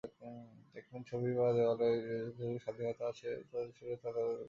একখানি ছবি বা দেওয়ালের যতটুকু স্বাধীনতা আছে, শরীরের তদপেক্ষা বেশী নাই।